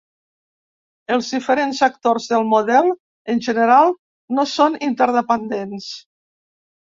Els diferents actors del model, en general, no són interdependents.